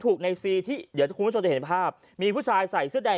ในซีที่เดี๋ยวคุณผู้ชมจะเห็นภาพมีผู้ชายใส่เสื้อแดง